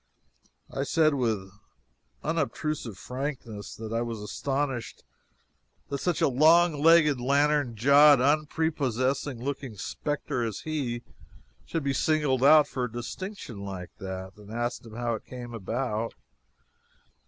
I said with unobtrusive frankness that I was astonished that such a long legged, lantern jawed, unprepossessing looking specter as he should be singled out for a distinction like that, and asked how it came about.